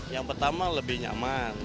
yang pertama lebih nyaman